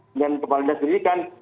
dengan kepala dasar pendidikan